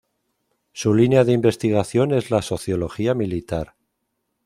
Su línea de investigación es la Sociología Militar.